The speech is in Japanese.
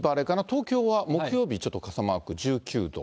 東京は木曜日ちょっと傘マーク、１９度。